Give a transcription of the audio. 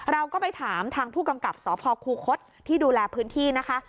เราก็ไปถามทางผู้กำกับสพคูคศที่ดูแลพื้นที่นะคะ